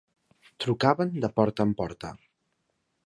Trucaven de porta en porta.